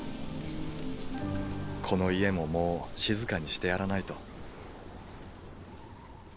この家ももう静かにしてやらないと。